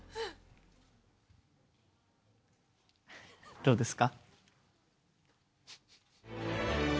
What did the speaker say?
どうですか？